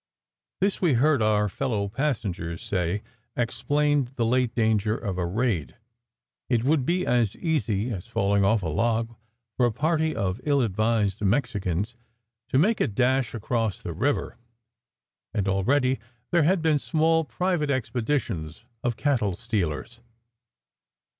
This, we heard our fellow passengers say, explained the late danger of a raid. It would be as "easy as falling off a log" for a party of ill advised Mexicans to make a dash across the river, and already there had been small pri SECRET HISTORY 91 vate expeditions of cattle stealers.